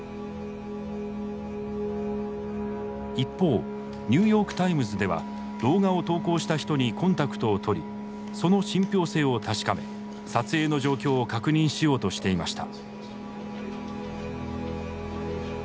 一方ニューヨーク・タイムズでは動画を投稿した人にコンタクトを取りその信ぴょう性を確かめ撮影の状況を確認しようとしていました。